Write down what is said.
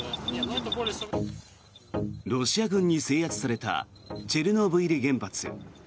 ロシア軍に制圧されたチェルノブイリ原発。